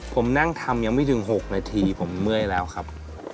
ผมนั่งทำยังไม่ถึง๖นาทีผมเมื่อยแล้วครับ